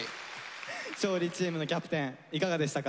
勝利チームのキャプテンいかがでしたか？